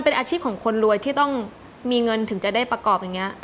เป็นอาชีพของคนรวยที่ต้องมีเงินถึงจะได้ประกอบอย่างนี้